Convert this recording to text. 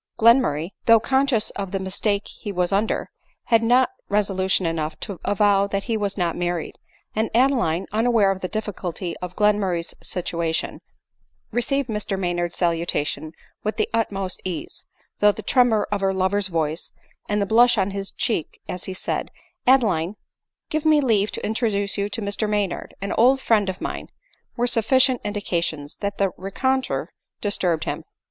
Glenmurray, though conscious of the mistake he was under, had not resolution enough to avow that he was not married; and Adeline, unaware of the difficulty of Glen murray's situation, received Mr Maynard's salutation with the utmost ease, though the tremor of her lover's voice, and the blush on his cheek as he said —" Adeline, give me leave to introduce to you Mr Maynard, an old friend of mine," were sufficient indications that the ren contre disturbed him.